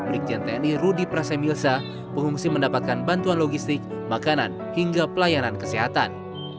brigjen tni rudy prasemilsa pengungsi mendapatkan bantuan logistik makanan hingga pelayanan kesehatan